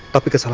masuk ke rumah